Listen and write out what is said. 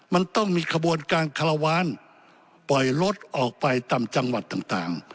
มันต้องมีขบวนการคารวาลปล่อยรถออกไปตามจังหวัดต่าง